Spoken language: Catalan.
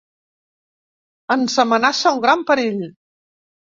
Ens amenaça un gran perill.